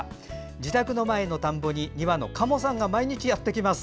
自宅の前の田んぼに２羽のカモさんが毎日やってきます。